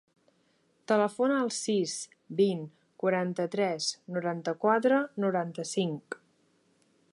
Telefona al sis, vint, quaranta-tres, noranta-quatre, noranta-cinc.